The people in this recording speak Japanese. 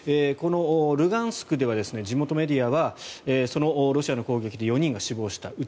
このルガンスクでは地元メディアはそのロシアの攻撃で４人が死亡した。